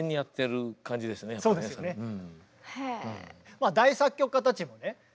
まあ大作曲家たちもね